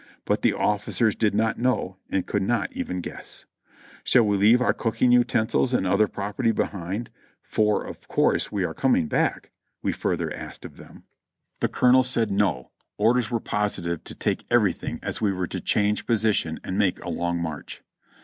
But the officers did not know and could not even guess. "Shall we leave our cooking utensils and other property be hind, for of course we are coming back?" we further asked of them. 332 JOHNNY REB AND BIIvLY YANK The colonel said "No !" orders were positive to take every thing as we were to change position and make a long march."